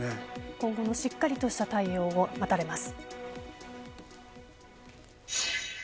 今後もしっかりとした対応が待たれます。